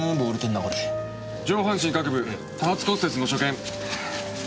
上半身各部多発骨折の所見。